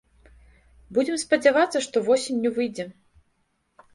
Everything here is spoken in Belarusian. Будзем спадзявацца, што восенню выйдзе.